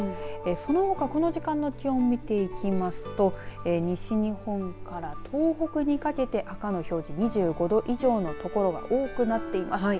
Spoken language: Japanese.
そのほか、この時間の気温を見ていきますと西日本から東北にかけて赤の表示、２５度以上の所が多くなっています。